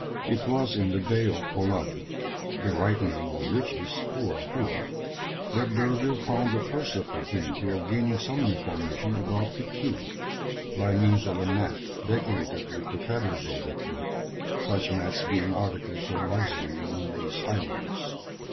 It was in the Bay of Tolaga, the right name of which is Houa Houa, that D'Urville found the first opportunity of gaining some information about the "kiwi," by means of a mat decorated with the feathers of that bird, such mats being articles of luxury among these islanders.